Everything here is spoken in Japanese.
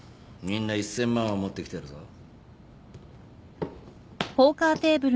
みんな１，０００万は持ってきてるぞ。